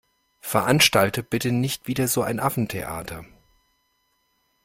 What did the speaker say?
Veranstalte bitte nicht wieder so ein Affentheater.